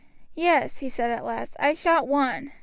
"Yes," he said at last, "I shot one.